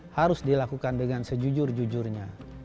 harus dilakukan dengan sejujur jujurnya